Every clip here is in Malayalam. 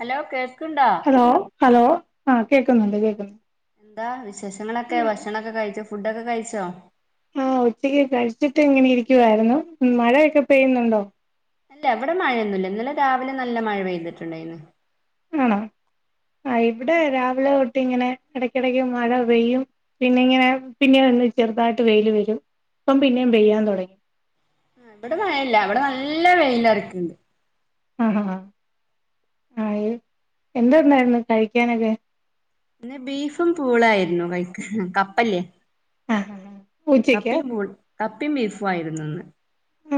ഹലോ കേൾക്ക- ഹലോ ഹലോ ആഹ കേക്കുന്നുണ്ട് കേൾക്കുന്നുണ്ട് എന്താ - വിശേഷങ്ങളൊക്കെ ഭക്ഷണം ഒക്കെ കഴിച്ചോ ഫുഡൊക്കെ കഴിച്ചോ ആഹ ഉച്ചക്ക് കഴിച്ചിട്ട് ഇങ്ങനെ ഇരിക്കുവായിരുന്നു മഴയൊക്കെ പെയ്യുന്നുണ്ടോ അല്ല അവിടെ മഴയൊന്നും ഇല്ല ഇന്നലെ രാവിലെ നല്ല മഴ പെയ്തിട്ടുണ്ടായിന്ന് ആണോ ആ ഇവിടെ രാവിലെ തൊട്ട് ഇങ്ങനെ ഇടക്കിടെക്ക് മഴ പെയ്യും പിന്നെ ഇങ്ങനെ പിന്നെ ഒന്നും ചെറുതായിട്ട് വെയിൽ വരും അപ്പം പിന്നേും പെയ്യാൻ തുടങ്ങി ഇവിടെ മഴയില്ല ഇവിടെ നല്ല വെയിലറക്കണ്ട് ആഹഹാ ആ എന്തെന്നായിരുന്നു കഴിക്കാനൊക്കെ പിന്നെ ബീഫും പൂളായിരുന്നു കഴ- കപ്പല്ലേ ആ ഉച്ചക്ക് കപ്പയും പൂളയും കപ്പയും ബീഫും ആയിരുന്നു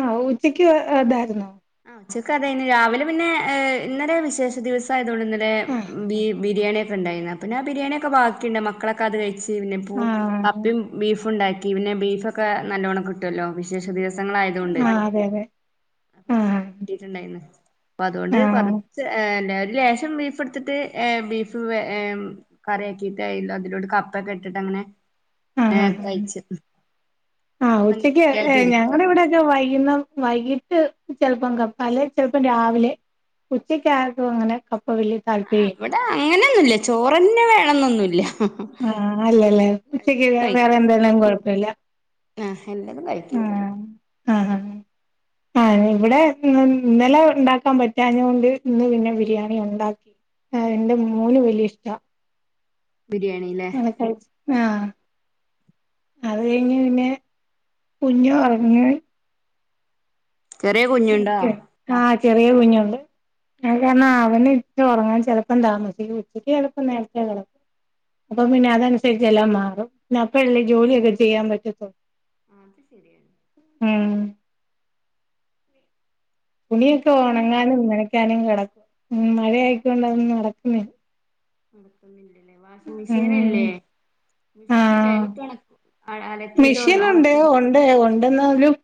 ആഹ ഉച്ചയ്ക്ക് അതായായിരിന്നു ആ ഉച്ചക്ക് അതെന്നെ രാവിലെ പിന്നെ ഇന്നലെ വിശേഷ ദിവസയായിരിന്നു ഇത്തവണ ഇന്നലെ ആ ബി ബിരിയാണിയൊക്കെ ഉണ്ടായിരുന്നു പിന്നെ ബിരിയാണിയ ഒക്കെ ബാക്കിയുണ്ടായിരുന്നു മക്കളൊക്കൊയത് കഴിച്ചു ആ കപ്പയും ബിഫും ഉണ്ടായിരുന്നു പിന്നെ ബീഫ് ഒക്കെ നല്ലോണം കിട്ടുയല്ലോ വിശേഷ- ദിവസങ്ങൾയായത് കൊണ്ട് ആ [inaudible] അതെ അതെ അപ്പൊ ആ ഞൻ കിട്ടിട്ടുണ്ടായിന്ന് അപ്പൊ അതുകൊണ്ട് ആ കുറച്ച് ആ- എല്ലാരും ഒരു ലെശം ബീഫ് എടുത്തിട്ട് ബീഫ് കറിയാക്കിയിട്ട് അതിലോട്ട് കപ്പക്കെ ഇട്ടിട്ട് അങ്ങനെ ആ ആ കഴിച്ചു ആഹ് ഉച്ചക്ക് ഞങ്ങൾ ഇവിടെൊക്കെ വൈകി - വൈകിട്ട് ചെലപ്പം കപ്പ അല്ലെ ചെലപ്പോ രാവിലെ ഉച്ചക്ക് ആരും അങ്ങനെ- ഇപ്പൊ വലിയ താല്പര്യംയില്ല അങ്ങനൊന്നൂല്ല ചോറ്ന്നെ വേണം എന്നൊന്നൂല്ല ആഹ് അല്ലല്ല ഉച്ചക്ക് വേറെ കഴിക്കും എന്തെലാം കൊഴ പ്പല്ല ആഹ് എന്തേലും കഴിക്കും ആഹ ആ ആ ഇവിടെ ഇന്നലെ ഉണ്ടാക്കാൻ പറ്റാഞ്ഞത്കൊണ്ട് ഇന്ന് പിന്നെ ബിരിയാണി ഉണ്ടാക്കി എന്റെ മോന് വലിയ ഇഷ്ട്ടാ ബിരിയാണി ല്ലേ ആഹ് അത് കഴിഞ്ഞ് പിന്നെ കുഞ്ഞു പറഞ്ഞ് ചെറിയ കുഞ്ഞുണ്ടോ ആഹ് ചെറിയ കുഞ്ഞുണ്ട് കാരണം അവന് ഇട്ട് ഉറങ്ങാൻ ചെലപ്പം താമസിക്കും ഉച്ചക്ക് ചിലപ്പം നേരത്തെ കിടക്കും അപ്പം പിന്നെ അതനുസരിച്ച് എല്ലാം മാറും പിന്ന അപ്പഴല്ലേ ജോലിയെല്ലാം ചെയ്യാൻ പറ്റത്തുള്ളൂ ആ അത് ശരിയാണ് ഉം ഉ പിന്നെ തുണിയൊക്കെ എന്തൊക്കെയാണ് ഒണങ്ങാനും നനയ് ഞാനും കിടക്കും ഉം മഴയായിക്കൊണ്ട് അതൊന്നും നടക്കുന്നില്ല നടക്കുന്നില്ലേ വാഷിംഗ്‌ മെഷീൻ ഉം ഇല്ലേ മെഷീൻ ഇല്ല അയ്ല് ഇട്ടാള മെഷീൻ ഉണ്ട് ഉണ്ട് ഉ എന്നാലും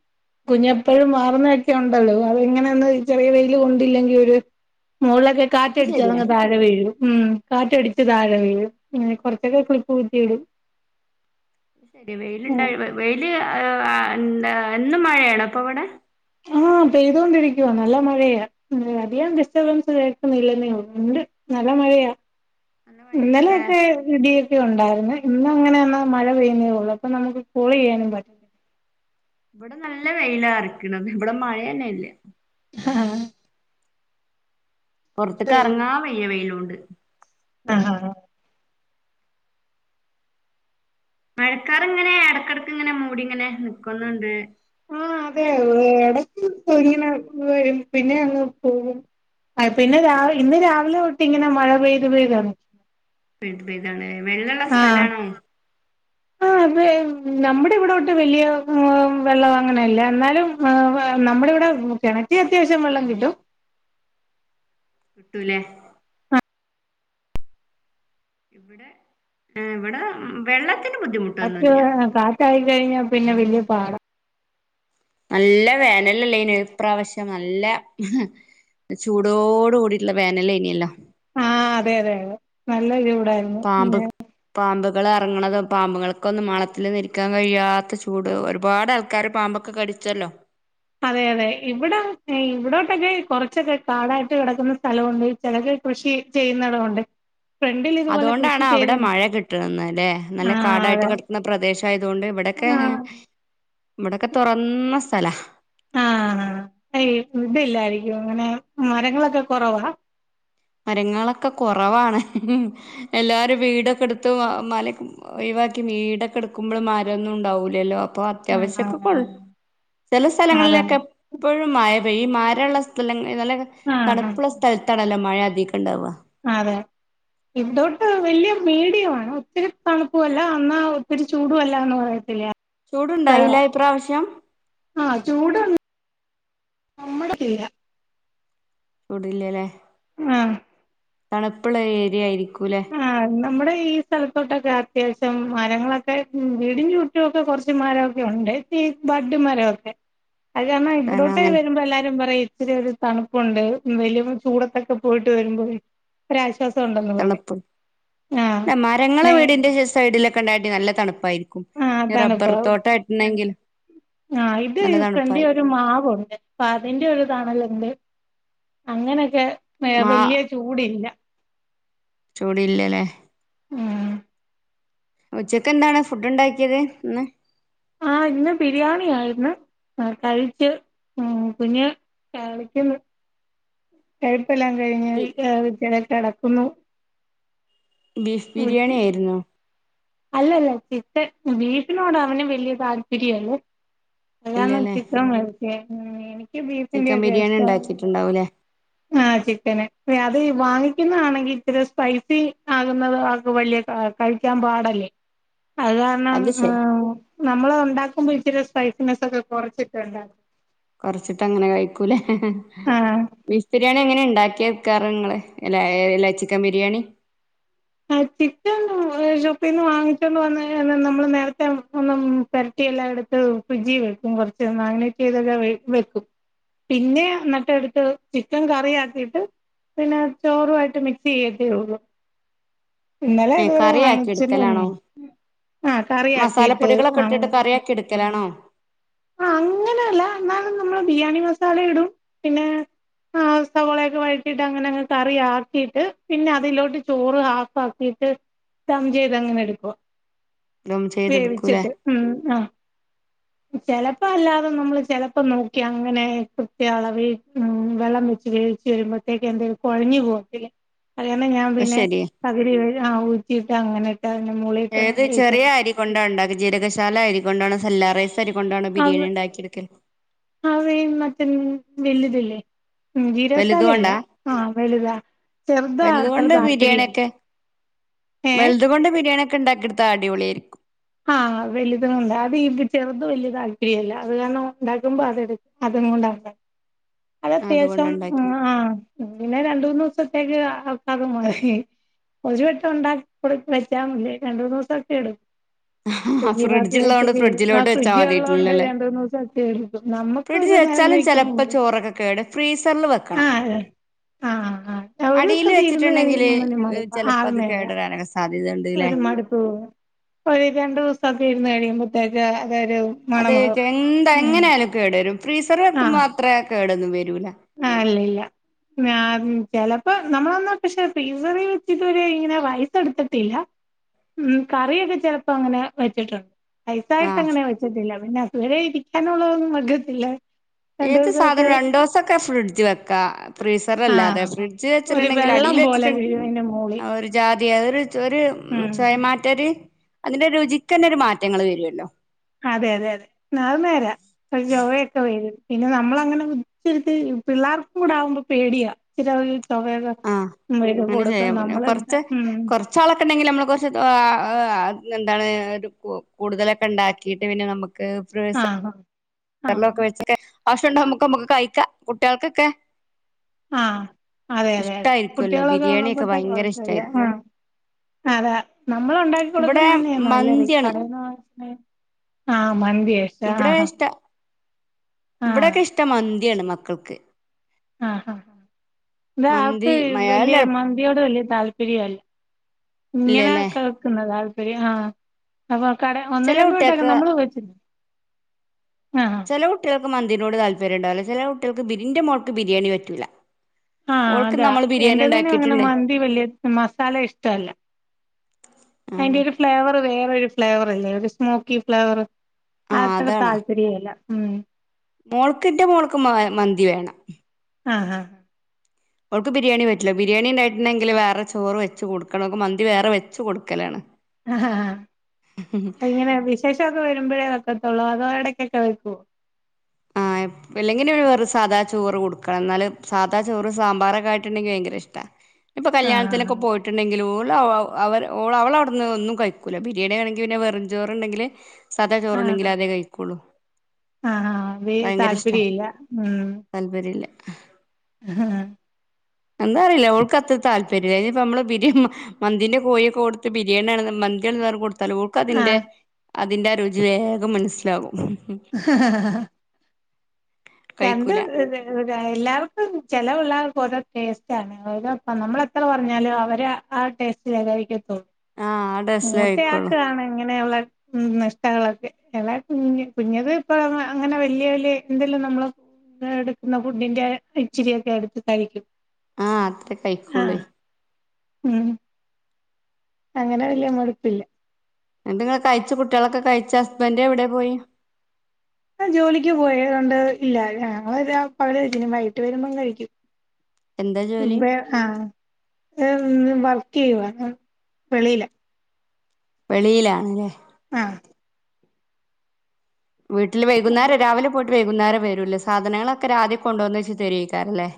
കുഞ്ഞ് എപ്പഴും മാറുന്നതൊക്കെ ഉണ്ടല്ലോ അതങ്ങനെയൊന്നും ചെറിയ വെയില് കൊണ്ടില്ലെങ്കിൽ ഒര് മൂളൊക്കെ ആഹ് അത് കാറ്റടിച്ച് ശരിയാ അതങ്ങ് താഴെ വീഴും ഉം കാറ്റ് അടിച്ച് താഴെ വീഴും ഇങ്ങനെ കൊറച്ചൊക്കെ ക്ലിപ്പ് കുത്തിടും ശര്യ വെയില്ണ്ടായ വെയില് എന്താ എന്നും മഴയാണോ അപ്പൊ അവടെ ആഹ് പെയ്തോണ്ടിരിക്കുവാ നല്ല മഴയാ മ് അധികം ഡിസ്റ്റർബൻസ് കേൾക്കുന്നില്ലന്നെ ഉള്ളു ണ്ട് നല്ല മഴയാ നല്ല മഴയാണല്ലേ ഇന്നലെയൊക്കെ ഇടിയും ടി ഉണ്ടായിരുന്നേ ഇന്ന് അങ്ങനെന്നാ മഴ പെയ്യുന്നേ ഉള്ളൂ അപ്പം നമുക്ക് കോളയ്യാനും പറ്റുന്നില്ല ഇവിടെ നല്ല വെയിലാറിക്കണത് ഹ് ഇവടെ മഴ ന്നെ ഇല്ല ഹാഹ് പുറത്ക്ക് എറങ്ങാ വയ്യ വെയിലോണ്ട് ആഹാ ഹാ മഴക്കാർ ഇങ്ങനെ എടക്കെടക്ക്‌ ഇങ്ങനെ മൂടി ഇങ്ങനെ നിക്കുന്നുണ്ട് ആ അതെ ഇടക്ക് ഇങ്ങനെ വരും പിന്നെ അങ്ങ് പോകും ആ പിന്നെ രാവിലെ ഇന്ന് രാവിലെ തൊട്ട് ഇങ്ങനെ മഴ പെയ്തു പെയ്താണ് പെഴുത് പെഴുതാണ് വെള്ളൊള്ള സ്ഥലാണോ ആ അതെ നമ്മുടെ ഇവിടോട്ട് വലിയ മ് വെള്ളം അങ്ങനെല്ല എന്നാലും മ് നമ്മുടെ ഇവിടെ കിണറ്റി അത്യാവശ്യം വെള്ളം കിട്ടും കിട്ടൂലേ ഇവിടെ വെള്ള അപ്പൊ കാറ്റ ആയ് കഴിഞ്ഞ പിന്നെ വല്യാ പാടാ നല്ല വേനലല്ലേന് ഇപ്രാവശ്യം നല്ല ചൂടോട് കൂടിട്ടുള്ള വേനല്നിയല്ലോ ആഹ് അതെ അതെ നല്ല ജോ പാമ്പ് പാമ്പ് ങ്ങള് ഇറങ്ങണത് പാമ്പുങ്ങൾക്കൊന്നും മാളത്തിലൊന്നും ഇരിക്കാൻ കഴിയാത്ത ചൂട് ഒരുപാട് ആൾക്കാരെ പാമ്പൊക്കെ കടിച്ചല്ലോ അതെ അതെ ഇവിടെ ഇവിടോട്ടൊക്കെ കൊറച്ചൊക്കെ കാടായിട്ട് കിടക്കുന്ന സ്ഥലമുണ്ട് ചിലത് കൃഷി ചെയ്യുന്നടമുണ്ട് അതുകൊണ്ടാണ് അവിടെ മഴ കിട്ടുന്നത് അല്ലെ ആ നല്ല കാടായിട്ട് അതെ കിടക്കുന്ന പ്രദേശായതുകൊണ്ട് ഇവിടൊക്കെ ആ ഇവിടൊക്കെ തുറന്ന സ് സ്ഥല ആഹ് ഈ ഇത് ഇല്ലായിരിക്കും അങ്ങനെ മരങ്ങളൊക്കെ കുറവാ മരങ്ങളൊക്കെ കുറവാണ് എല്ലാരും വീടൊക്കെ എടുത്ത് മ മലക്ക്‌ ഒഴിവാക്കി വീടൊക്കെ എടുക്കുമ്പോള് മരൊന്നും ഉണ്ടാവൂലല്ലോ പ്പോ ആ ആ അത്യാവശ്യൊക്കെ കൊൾ ചില ആ അതെ സ്ഥലങ്ങളിലൊക്കെ എപ്പോഴും മയ പെയ്യും മരൊള്ള സ്ഥലങ്ങ നല്ല ആ ആ തണുപ്പുള്ള സ്ഥലത്താണല്ലോ മഴ ടിക്കൊണ്ടവ അതെ ഇവിടോട്ട് വലിയ മീഡിയമാണ് ഒത്തിരി തണുപ്പും അല്ല അന്നാ ഒത്തിരി ചൂടും അല്ലാന്ന് പറയത്തില്ലേ ചൂടുണ്ടായില്ല ഇപ്രാവശ്യം നമ്മുടെ തീരാ ഇവിടില്യാല്ലേ ആഹ് തണുപ്പുള്ള ഏരിയ ആയിരി ക്കൂലേ ആഹ് നമ്മുടെ ഈ സ്ഥലത്തോട്ടൊക്കെ അത്യാവശ്യം മരങ്ങളൊക്കെ വീടിന്റെ ചുറ്റും ഒക്കെ കുറച്ച് മരമൊക്കെ ഉണ്ട് ഈ ബഡ് മരൊക്കെ അത് കാരണം ഇവിടോട്ട് വരുമ്പോ എല്ലാരും പറയും ഇത്തിരി ഒരു തണുപ്പുണ്ട് വലിയ ചൂടത്തൊക്കെ പോയിട്ട് വരുമ്പോൾ ഒരാശ്വാസ സം ഉണ്ടെന്ന് പറയ് തണുപ്പ് മരങ്ങളെ വീടിന്റെ സൈഡിലൊക്കെ ഉണ്ടായിട്ട് നല്ല തണുപ്പായിരി ആഹ് റബ്ബർ തണുപ്പ് തോട്ടയിട്ടാണെങ്കിൽ ആഹ് ഇത് ഫ്രണ്ടിൽ ഒരു മാവുണ്ട് അപ്പൊ അതിന്റെ ഒരു തണൽ ഉണ്ട് അങ്ങനൊക്കെ മാ വല്യാ ചൂടില്ല ചൂടില്ലല്ലേ ഉം ഉച്ചക്ക് എന്താണ് ഫുഡ് ഉണ്ടാക്കിയത് ഇന്ന് ആ ഇന്ന് ബിരിയാണി ആയിരുന്നു കഴിച്ച് കുഞ് കളിക്കുന്നു എ ഇപ്പല്ലാം കഴി വിദ്യട [unintelligible] ഒന്ന് ബീഫ് ബിരിയാണി ആയിരുന്നോ അല്ലല്ല ചിക്കൻ ബീഫിനോട് അവനെ വലിയ താല്പര്യല്ല അച്ഛനോട് ഇല്ലല്ലേ ചിത്രം വരപ്പിക്ക [unintelligible] മം ഇ ബീഫിന്റെ ചിക്കൻ ഒക്കെ ബിരിയാണി ഇഷ്ട ഉണ്ടാക്കിട്ടുണ്ടാവൂലേ ആ ചിക്കന് അ അത് വാങ്ങിക്കുന്നതാണെങ്കിൽ ഇത്തിരി സ്പൈസി ആകുന്നത് ആ വലിയ കഴിക്കാൻ പാട അതുകാരണം അത് ശരി നമ്മള ഉണ്ടാക്കുമ്പോ ഇച്ചരി സ്പൈസിനെ ഒക്കെ കുറച്ചിട്ട് ഉണ്ടാക്കും കുറച്ചിട്ട് അങ്ങനെ കഴി കഴിക്കൂലേ ആഹ് ബീഫ് ബിരിയാണി എങ്ങനെ ഉണ്ടാ ഉണ്ടാക്കിക്കാറ് നിങ്ങള് അല്ല് ചിക്കൻ ബിരിയാണി ആ ചിക്കൻ ഷോപ്പിൽന്ന് വാങ്ങിച്ചൊണ്ട് വന്ന് നമ്മള് നേരത്തെ ഒും പരട്ടിയെല്ലാം എടുത്ത് ഫ്രിഡ്ജി വെക്കും കുറച്ച് മാഗിനേറ്റ് ചെയ്തൊക്കെ വെക്കും പിന്നെ എന്നിട്ട് എടുത്ത് ചിക്കൻ കറി ആക്കിട്ട് പിന്നെ ചോറുംമായിട്ട് മിക്സ് ചെയ്യത്തൊള്ളൂ ഇന്നലെ ഇതുവരെ കറി ആക്കി വാങ്ങിച്ചി എടുക്കലാണോ ആ കറ ആാക്കിട്ട് ആ എടുക്കൽആണോ ആ അങ്ങനെല്ല എന്നാലും നമ്മള് ബിരിയാണി മസാല ഇടും പിന്നെ ആ സവോളയൊക്കെ വഴറ്റിട്ട് അങ്ങനെങ് കറി ആക്കിട്ട് പിന്നെ അതിലോട്ട് ചോറ് ഹാഫ് ആാക്കിട്ട് ദം ചെയ്ത്ങ്ങനെ എടുക്കവാ ഇതും ചെയ്തെടുക്കൂലേ വേവിച്ചിട്ട് ഉം ആ ചെിലപ്പോ അല്ലാതെ നമ്മള് ചെിലപ്പോ നോക്കി അങ്ങനെ കൃത്യ അളവി ഉ വെള്ളം വെച്ച് വേവച്ച് വരുമ്പോത്തേക്ക് എന്തേിലും കുഴഞ്ഞു പോവത്തില്ല അത് കാരണം ഞാൻ അപ്പ പിന്നെ ശരിയാ പകുതി വേവ് ആ ഊറ്റി അ അങ്ങനെ ഇട്ട് ഏത് ചെറിയ അരി കൊണ്ട ഉണ്ടാക്ക ജീരകശാല അരി കൊണ്ടാണ് [unintelligible] റൈസ് അരി കൊണ്ടാണോ അത് ബിരിയാണി ഉണ്ടാക്കി എടുക്കൽ വലുതല്ലേ? ഉം ജീരകസാലയല്ല കൊണ്ടാ ആഹ വലുതാ ചെറുതാ വലുത് അത്ര കൊണ്ട് താൽപര്യം ഇല്ല ബിരിയാണിയൊക്കെ എ ഉണ്ടാക്കെടുത്ത അടിപൊളിയായിരിക്കും ആഹ വലുത് കൊണ്ട് അത് ചെറുതിന് വലിയ താൽപര്യം ഇല്ല അത് കാരണം ഉണ്ടാക്കുമ്പോ അതെടുക്ക അത് കൊണ്ട അത് അതുകൊണ്ട് അത്യാവശ്യം ഉണ്ടാക്കി ആഹ പിന്നെ രണ്ട് മൂന്ന് ദിവസത്തേക്ക് അവൾക്കതുമതി ഒരു വെട്ടം ഉണ്ടാക്കി കൊടു വെച്ചാ മതി രണ്ട് മൂന്ന് ദിവസൊക്കെ എടുക്കും ആ ഫ്രിഡ്ജി മാറ്റി ഫ്രിഡ്ജ് ഉള്ളത് വെച്ച് കൊണ്ട് കേട് ആഹ് ഫ്രിഡ്ജിലോട്ട് വെച്ചാൽ ഫ്രിഡ്ജ് ഉള്ളോണ്ട് മതിട്ടില്ലല്ലേ രണ്ട് മൂന്ന് ദിവസൊക്കെ എടുക്കും നമ്മക്ക് ഫ്രിഡ്ജ് ഒരു നേരം വെച്ചാലും കഴിക്കുമ്പോ ചിലപ്പോ മടുക്കും ചോറൊക്കെ കേട് ഫ്രീസറിൽ വെക്കണം ആഹ് ആഹ് ആഹ് ഒരു അടില് ദിവസൊക്കെ ഇരുന്ന് വെച്ചിട്ടുണ്ടെങ്കില് കഴിയുമ്പോ പിന്നെ മടുപ്പാ ചിലപ്പോ ആഹ് അത് നേരാ കേടരാനൊക്കെ സാധ്യതണ്ട് ഒരു മടുപ്പ് തോന്നും [unintelligible] രണ്ടു ദിവസക്കെ ഇരുന്നു കഴിയുമ്പോത്തേക്ക് അതൊരു അതെ മണമാവും എന്താ ഉം എങ്ങനെയാലും കേടരും ഫ്രീസറ് വെക്കുമ്പോ മാത്ര കേട [unintelligible] ആ അല്ലല്ല ഞാൻ ചിലപ്പോ നമ്മളന്ന പക്ഷെ ഫ്രീസറ വെച്ചിട്ട് ഒര് ഇങ്ങനെവായിതെടുത്തിട്ടില്ല ഉം കറിയൊക്കെ ചെലപ്പോ അങ്ങനെ വെച്ചിട്ടുണ്ട് റൈസായിട്ട് ആഹ് അങ്ങനെ വെച്ചിട്ടില്ല പിന്നെ അതുവരെ ഇ അങ്ങനുള്ളതൊന്നും വെക്കത്തില്ല. രണ്ട് ഏത് ദിവസൊക്കെ സാധനം രണ്ടോസം ഒക്കെ ഫ്രിഡ്ൽ വെക്കാം ഫ്രിസറലാതെ ആഹ് ഫ്രിഡ്ജിൽ ഒരു വെച്ചിട്ടുണ്ടെങ്കിൽ വെള്ളം അടിയിൽ പോലെ വെച്ചിട്ടുണ്ടെങ്ക വീഴും അയിന്റെ മോളി ആ ഒരു ജാതി അതെആ ഒരു ഒരു ഉം ചോയമാറ്റാര് അതിന്റെ രുചിക്കന്നെ ഒരു മാറ്റങ്ങള് വരുല്ലോ അതെ അതെ അതെ അത് നേരാ ചൊവയൊക്കെ വരും പിന്നെ നമ്മള് അങ്ങനെ ഇത്തിരിത്തിരി പിള്ളേർക്കും കൂടെ ആകുമ്പോ പേടിയാ ചൊവയൊക്കെ ആ വരും അങ്ങനെ കൊടുക്കും ചെയ്യാം പിന്നെ നമ്മളെടുത്ത കുറച്ച് ഉം കൊറച്ചാളൊക്കെ ഉണ്ടെങ്കിൽ നമ്മൾ കുറച്ച് [unintelligible] എന്താണ് ഒരു കൂടുതലൊക്കെ ണ്ടാക്കിട്ട് പിന്നെ നമുക്ക് ഫ്രീസാ ആഹ് ആഹ് [unintelligible] കാശുണ്ടോ മ്മുക്ക് മ്മുക്ക് കയിക്ക കുട്ടിആൾക്കൊക്കെ ആഹ അതെ അതെ അതെ കുട്ടികളൊക്കെ ബിരിയാണിയൊക്കെ ഉള്ളപ്പോഴേ ഭയങ്കര കുഴപ്പില്ല ഇഷ്ടായിരിക്കും അതാ നമ്മൾ ഉണ്ടാക്കി ഇവിടെ കൊടുക്കുന്നന്നെ നല്ലത് മന്തിയാണ് ആഹ ഇവിടെ ഇഷ്ട ആഹ് ഇവിടെക്കെ ഇഷ്ട മന്ത് ഇയാണ് മക്കക്ക് ആഹ് ആ ഇതാ മന്തി ആക്ക് വലിയ മലയാളികൾ മന്തിയോട് വല്യ താൽപര്യല് ഇങ്ങനെ ഇല്ലല്ലേ കേക്ണ്ടല്ലേ ആ ഒരു ആഹ് നമ കട ഒന്ന് ചില രണ്ട് വട്ടക്കെ കുട്ടികൾക്ക് നമ്മള് വച്ചിട്ട് ചെല ഉട്ടിയ മന്തിനോട് താല്പര്യംണ്ടാവില്ല ചില കുട്ടികൾക്ക് ബിരി ൻ്റെ മോൾക്ക് ബിരിയാണി പറ്റൂല്ല ആഹ് അതാ എൻ്റെ പിന്നെ അങ്ങനെ ഉണ്ടാക്കിയിട്ടുണ്ട് മന്തി വല്യ മസാല ഇഷ്ടല്ല ആ അയിന്റെ ഒരു ഫ്ലേവർ വേറെരു ഫ്ലേവർ അല്ലേ ഒരു സ്മോക്കി ഫ്ലേവർ ആ ആത്ര അതാണ് താപര്യ ഇല്ല ഉം മോൾക്കിന്റെ മോൾക്ക് മ മന്തി വേണം ആഹ് ഹ അവൾക്ക് ബിരിയാണി പറ്റില്ല ബിരിയാണി ഉണ്ടട്ടുണ്ടെങ്കില് വേറെ ചോറ് വെച്ച് കൊടുക്കണംക്ക് മന്തി വേറെ വെച്ച് കൊടുക്കലാണ് ആ ഇങ്ങനെ വിശേഷക്ക വ വരുമ്പോഴേ വെക്കത്തുള്ളൂ അതോ എടക്കൊക്കെ വെക്കുവോ ആഹ് ഇല്ലെങ്കിനും വെറു സാദാ ചോറ് കൊടുക്ക എന്നാല് സാധാ ചോറ് സാമ്പാറൊക്കെ ആയിട്ട്ണ്ടെങ്കി ഭയങ്കര ഇഷ്ടാ ഇപ്പൊ ആഹ് കല്യാണത്തിനൊക്കെ പോയിട്ടുണ്ടെങ്കിലൂ ഓൾ ള് അവ അവളവിടുന്ന്ന്നും കഴിക്കൂല്ല ബിരിയാണി വണെങ്ക പിന്നെ വെറുംചോറുണ്ടെങ്കിൽ സദാ ചോറണെങ്കിൽ അതെ കഴിക്കുള്ളു ആഹ് ആഹ് വേ താല്പര്യ ഇല്ല ഉം അ [unintelligible] എന്താ അറിയില്ല അവൾക്ക് അത്ര താല്പര്യമില്ല അതിനിപ്പ നമ്മള് ബിരി മാ മന്തിന്റെ കോഴിയൊക്കെ കൊടുത്ത് ബിരിയാണിയാണ് മന്തി ആണെന്ന് പറഞ്ഞ് കൊടു തല ഓൾക്ക് അതിന്റെ ആഹ് അതിൻ്റെ ആ രുചി വേഗം മനസ്സിലാകും ചന്ത് കഴിക്കൂല എല്ലാവർക്കും ച ല്ലാ പിള്ളേർക്കും ഓരോ ടേസ്റ്റ് ആണ് ഓ നമ്മള എത്ര പറഞ്ഞാലും അവര് ആ ടേസ്റ്റ് ലേ കഴിക്കാ ആഹ് ആ ടേസ്റ്റിലേ കഴിക്കുള്ളൂ മൂത്തയാക്കയാണ് ഇങ്ങനെയുള്ള ഉം നിഷ്ടള്ളത് അതാ കുഞ്ഞിന് കുഞ്ഞത് ഇപ്പ അങ്ങനെ വലിയ വലിയ എന്തെലും നമ്മൾ എടുക്കുന്ന ഫുഡിന്റെ ഇച്ചിരിക്കെ എടുത്ത് കഴിക്കും ആ അത്രേ കഴിക്കൂളളു ആഹ് ഉം അങ്ങനെ വലിയമടിപ്പില്ല എന്തങ്ങെ കഴിച്ച കുട്ടികളൊക്കെ കഴിച്ച ഹസ്ബൻഡ് എവിടെ പോയി ആ ജോലിക്ക് പോയത് കൊണ്ട് ഇല്ല ഞങ്ങള് പകല്‌ കഴിക്കും വൈകിട്ട് വരുമ്പോം കഴിക്കും എന്താ ജോലി മുമ്പേ ആഏ വർക്ക് ചെയ്യുവ വെളിലാ വെളിയിലാണല്ലേ ആ വീട്ടില്‌വൈകുന്നേരം രാവിലെ പോയിട്ട് വൈകുന്നേരം വരൂലേ സാധനങ്ങളൊക്കെ രാത്രി കൊണ്ട് വന്ന് വെച്ച്തെരിയിക്കാറില്ലേ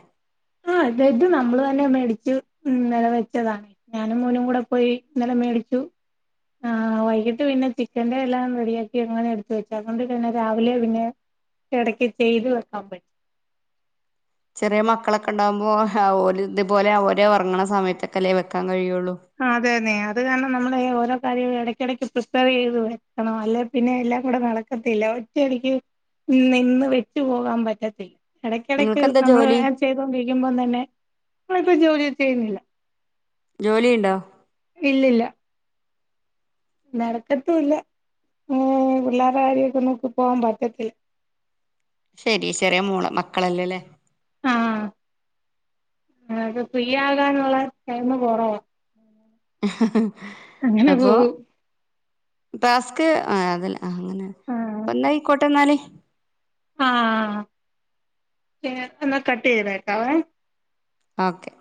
ആഹ ഇത ഇത് നമ്മള് തന്നെ മേടിച്ചു ഇന്നലെ വെച്ചതാണ് ഞാനും മോനും കൂടെ പോയി ഇന്നല മേടിച്ചു ആ വൈകിട്ട് പിന്നെ ചിക്കന്റെ എല്ലാം റെഡിയാക്കി അങ്ങനെ എടുത്ത വെച്ചു അതൊണ്ട് പിന്നെ രാവിലെ പിന്നെ ഇടക്ക് ചെയ്ത് വെക്കാൻ പറ്റും ചെറിയ മക്കളൊക്കെ ഉണ്ടാവുമ്പോ ഇതുപോലെ അവര്ഉറങ്ങണ സമയത്തൊക്കെല്ലേ വെക്കാൻ കഴിയുള്ളൂ ആ അതെതെ അത് കാരണം നമ്മളെ ഓരോ കയ ഇടക്കിടയ്ക്ക് പ്രിസ്ക്രൈബ് ചെയ്ത് വെക്കണം അല്ലെ പിന്നെ എല്ലാം കൂടെ നടക്കത്തില്ല ഒറ്റയടിക്ക് നിന്ന് വെച്ച് പോകാൻ പറ്റത്തില്ല ഇടയ്ക്കിടക്ക് നിങ്ങൾക്ക് എന്താ നമ്മള് ജോലി ചെയ്തൊണ്ടിരിക്കുമ്പോം തന്നെ ഇപ്പംജോലിയെന്നുചെയ്യുന്നില്ല ജോലിയുണ്ടാ? നടക്കത്തുംല്ല ഉം പിള്ളേരുടെ കാര്യൊക്കെ നോക്കി പോവാൻ പറ്റത്തില്ല. ശെരി ചെറിയ മൂള മക്കളല്ലേല്ലേ ആ അത് ഫ്രീയാകാന്നുള്ളടൈം കൊറവാ ഹ ഹ ഹ അങ്ങനെപോകും ടാസ്ക് അതില്ല ആഹ് അങ്ങനെ അപ്പൊ എന്നായിക്കോട്ടെ എന്നാല് ആ എന്നാ കട്ട് ചെയ്തേക്കാവേ ഓക്കെ